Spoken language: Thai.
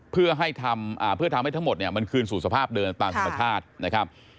เพื่อทำให้ทั้งหมดมันคืนสู่สภาพเดินตามสมบัติธาตุ